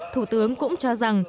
thủ tướng cũng cho rằng